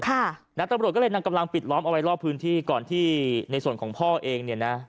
นะตำรวจก็เลยนำกำลังปิดล้อมเอาไว้รอบพื้นที่ก่อนที่ในส่วนของพ่อเองเนี่ยนะ